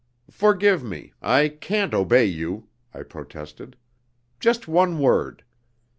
"Forgive me I can't obey you," I protested. "Just one word.